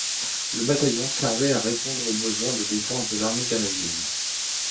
Le Bataillon servait à répondre aux besoins de défense de l'Armée canadienne.